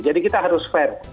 jadi kita harus fair